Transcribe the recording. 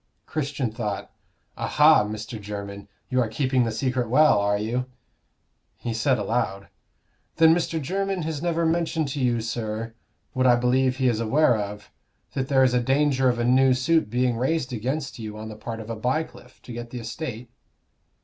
Christian thought, "Aha, Mr. Jermyn! you are keeping the secret well, are you?" He said, aloud "Then Mr. Jermyn has never mentioned to you, sir, what I believe he is aware of that there is danger of a new suit being raised against you on the part of a Bycliffe, to get the estate?"